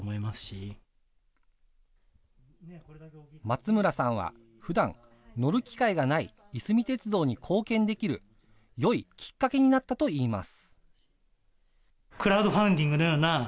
松村さんは、ふだん、乗る機会がないいすみ鉄道に貢献できるよいきっかけになったといいます。